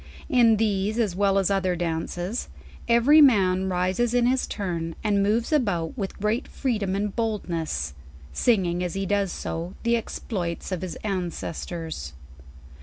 In these as well as other dances, every man rises in his turn, and moves about with great freedom and boldness; singing as he does so, the exploits of his ancestors.